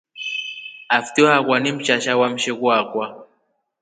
Aftyo akwaa ni msasha wa msheku akwa.